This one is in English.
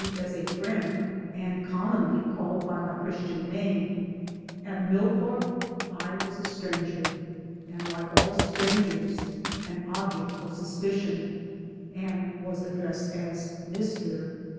284 MY DAYS AND DREAMS as a friend and commonly called by my Christian name, at Millthorpe I was a stranger and like all strangers an object of suspicion and was addressed as " Mister."